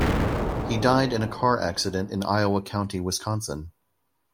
He died in a car accident in Iowa County, Wisconsin.